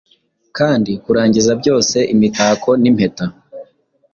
Kandi kurangiza byose imitako nimpeta